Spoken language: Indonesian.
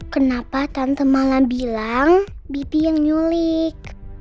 kenapa tante malah bilang bibi yang nyulik